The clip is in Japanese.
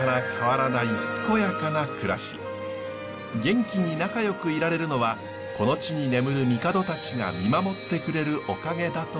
元気に仲よくいられるのはこの地に眠る帝たちが見守ってくれるおかげだといいます。